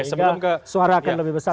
sehingga suara akan lebih besar